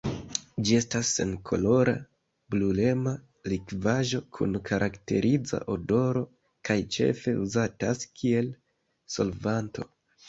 Ĝi estas senkolora, brulema likvaĵo kun karakteriza odoro kaj ĉefe uzatas kiel solvanto.